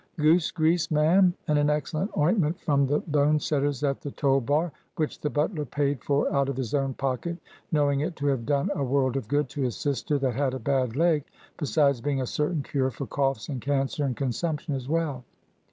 "Goose grease, ma'am, and an excellent ointment from the bone setter's at the toll bar, which the butler paid for out of his own pocket, knowing it to have done a world of good to his sister that had a bad leg, besides being a certain cure for coughs, and cancer, and consumption as well.